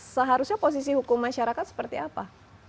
seharusnya posisi hukum masyarakat seperti apa